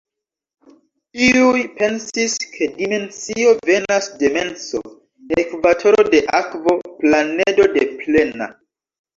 Iuj pensis, ke dimensio venas de menso, ekvatoro de akvo, planedo de plena!